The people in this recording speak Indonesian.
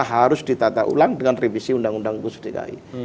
harus ditata ulang dengan revisi undang undang khusus dki